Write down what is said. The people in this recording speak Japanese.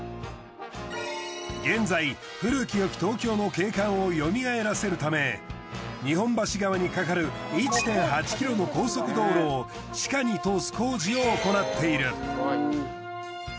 現在古きよき東京の景観をよみがえらせるため日本橋川にかかる１．８ｋｍの高速道路を地下に通す工事を行っている。